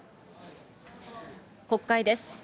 国会です。